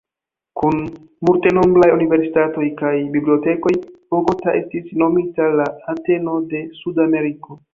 Kun multenombraj universitatoj kaj bibliotekoj, Bogoto estis nomita "La Ateno de Sudameriko".